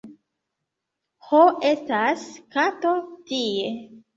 Ho, estas kato tie...